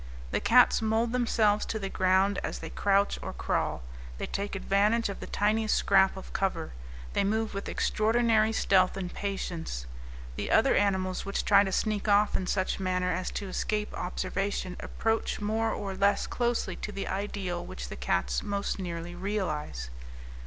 The cats mould themselves to the ground as they crouch or crawl. They take advantage of the tiniest scrap of cover. They move with extraordinary stealth and patience. The other animals which try to sneak off in such manner as to escape observation approach more or less closely to the ideal which the cats most nearly realize.